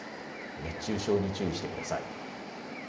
熱中症に注意してください。